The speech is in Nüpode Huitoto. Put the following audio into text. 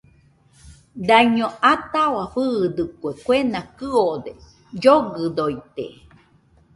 Daño ataua fɨɨdɨkue, kuena kɨode, llogɨdoite